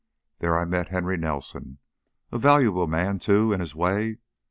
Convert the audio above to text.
There I met Henry Nelson a valuable man, too, in his way.